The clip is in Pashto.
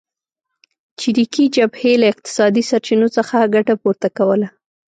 چریکي جبهې له اقتصادي سرچینو څخه ګټه پورته کوله.